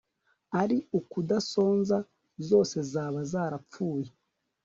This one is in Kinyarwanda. Ari ukudasonza zose zaba zarampfuye